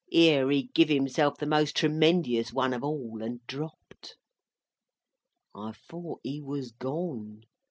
Here he giv himself the most tremendious one of all, and dropped. I thought he was gone.